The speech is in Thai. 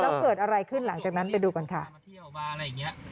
แล้วเกิดอะไรขึ้นหลังจากนั้นไปดูก่อนค่ะมาเที่ยวบาร์อะไรอย่างเงี้ย